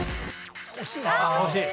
惜しい！